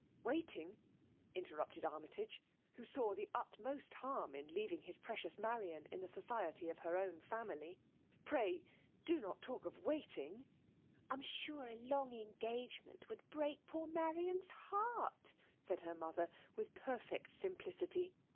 t "Waiting?'' interrupted Armytage,. wb?> saw the utmost harm in leaving his preqious Marian in the society of her own famUy, " Pray do not talk of waiting !*'." I am sure a long engagement would break; poor Marian's heart," added the mother, with perfect simplicity.